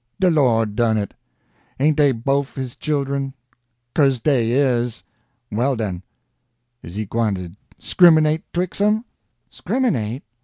De Lord done it. Ain' dey bofe his children? 'Cose dey is. Well, den! is he gwine to scriminate 'twixt 'em?" "Scriminate!